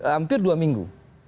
hampir dua minggu